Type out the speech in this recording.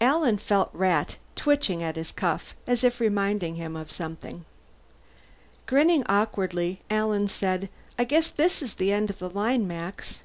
Alan felt Rat twitching at his cuff, as if reminding him of something. Grinning awkwardly, Alan said, "I guess this is the end of the line, Max.